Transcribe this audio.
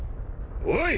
おい！